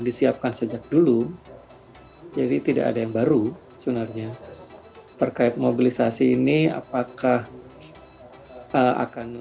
disiapkan sejak dulu jadi tidak ada yang baru sebenarnya terkait mobilisasi ini apakah akan